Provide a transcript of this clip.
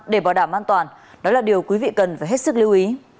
để bảo đảm an toàn đó là điều quý vị cần phải hết sức lưu ý